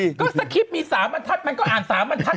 ก็สกิปมีสามบันทัศน์ก็อ่านสามบันทัศน์